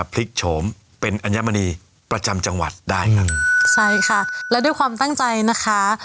พลิกโฉมเป็นอัญมณีประจำจังหวัดได้ครับใช่ค่ะและด้วยความตั้งใจนะคะ